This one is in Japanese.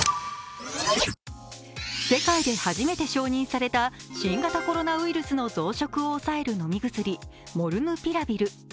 世界で初めて承認された新型コロナウイルスの増殖を抑える飲み薬・モルヌピラビル。